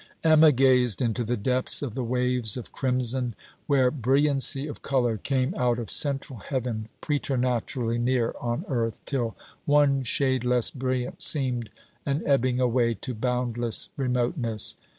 Emma gazed into the depths of the waves of crimson, where brilliancy of colour came out of central heaven preternaturally near on earth, till one shade less brilliant seemed an ebbing away to boundless remoteness.